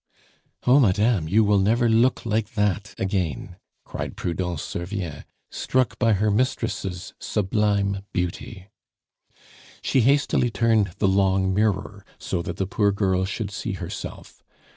"Oh, madame, you will never look like that again!" cried Prudence Servien, struck by her mistress' sublime beauty. She hastily turned the long mirror so that the poor girl should see herself.